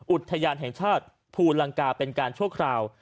อุทยานแห่งชาติภูลังกาเป็นการชั่วคราว